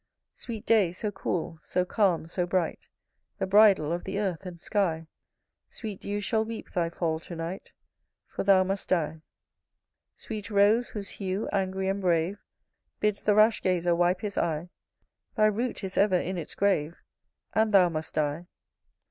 Sweet day, so cool, so calm, so bright, The bridal of the earth and sky, Sweet dews shall weep thy fall to night, For thou must die. Sweet rose, whose hue, angry and brave, Bids the rash gazer wipe his eye, Thy root is ever in its grave, And thou must die.